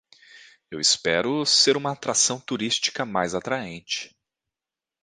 Eu espero ser uma atração turística mais atraente